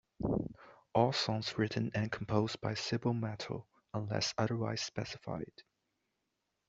All songs written and composed by Cibo Matto, unless otherwise specified.